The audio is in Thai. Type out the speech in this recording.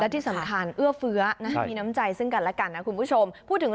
ที่สำคัญเอื้อเฟื้อนะมีน้ำใจซึ่งกันแล้วกันนะคุณผู้ชม